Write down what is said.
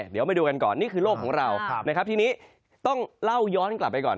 เดี๋ยวมาดูกันก่อนนี่คือโลกของเรานะครับทีนี้ต้องเล่าย้อนกลับไปก่อน